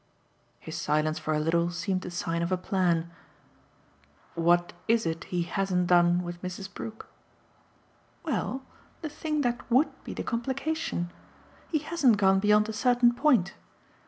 His silence for a little seemed the sign of a plan. "What is it he hasn't done with Mrs. Brook?" "Well, the thing that WOULD be the complication. He hasn't gone beyond a certain point.